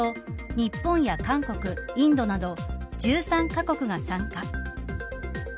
日本や韓国、インドなど１３カ国が参加。